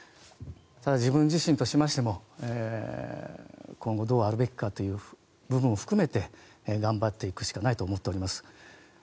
ただ自分自身としましても今後どうあるべきかという部分を含めて頑張っていくしかないと思っております。